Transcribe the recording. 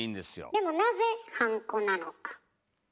でもなぜハンコなのか。